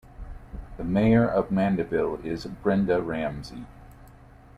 The mayor of Mandeville is Brenda Ramsay.